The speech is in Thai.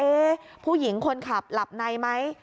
ผู้หญิงคนขับหลับในไหม